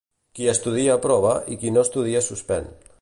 Qui estudia aprova i qui no estudia suspèn